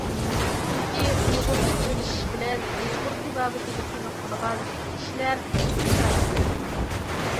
چۈنكى ئۇيغۇرچە چېلىشىش بىلەن ئۇيغۇر تېبابىتىگە قىزىقىدىغان كىشىلەر ئىنتايىن كۆپ.